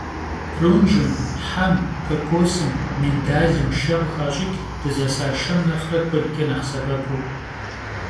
Прунжым, хьэм, кокосым, миндалым шэ къыхащӀыкӀ, дызэса шэм нэхърэ куэдкӀэ нэхъ сэбэпу.